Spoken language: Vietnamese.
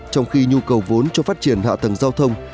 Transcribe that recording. trong khi nhu cầu vốn cho phát triển hạ tầng giao thông